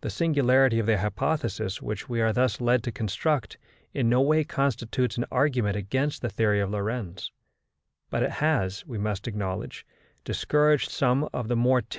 The singularity of the hypotheses which we are thus led to construct in no way constitutes an argument against the theory of Lorentz; but it has, we must acknowledge, discouraged some of the more timid partisans of this theory.